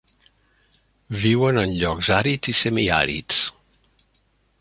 Viuen en llocs àrids i semiàrids.